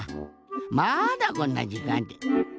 まだこんなじかんで。